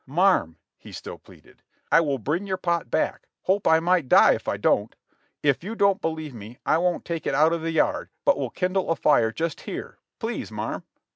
"Marm," he still pleaded, "I will bring your pot back, hope I may die if I don't! If you don't believe me I won't take it out of the yard but will kindle a fire just here; please, marm."